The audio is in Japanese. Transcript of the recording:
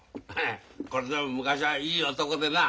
これでも昔はいい男でな